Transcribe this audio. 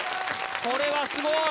これはすごい！